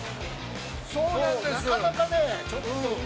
◆なかなかね、ちょっと今。